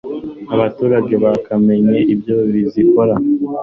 abaturage bakamenya ibyo zikora